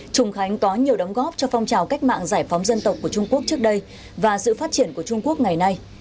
trùng khánh có nhiều đóng góp cho phong trào cách mạng giải phóng dân tộc của trung quốc trước đây và sự phát triển của trung quốc ngày nay